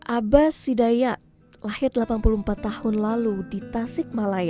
abbas hidayat lahir delapan puluh empat tahun lalu di tasik malaya